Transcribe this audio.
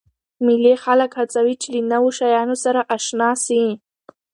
مېلې خلک هڅوي، چي له نوو شیانو سره اشنا سي.